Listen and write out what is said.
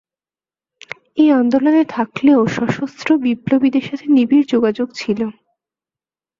এই আন্দোলনে থাকলেও সশস্ত্র বিপ্লবীদের সাথে নিবিড় যোগাযোগ ছিল।